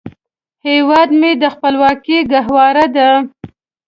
هیواد مې د خپلواکۍ ګهواره ده